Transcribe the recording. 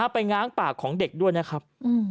ง้างปากของเด็กด้วยนะครับ